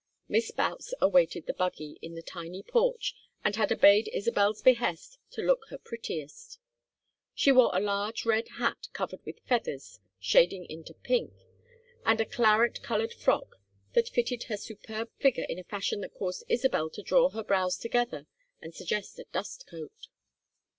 Miss Boutts awaited the buggy, in the tiny porch, and had obeyed Isabel's behest to look her prettiest. She wore a large red hat covered with feathers shading into pink, and a claret colored frock that fitted her superb figure in a fashion that caused Isabel to draw her brows together and suggest a dust coat.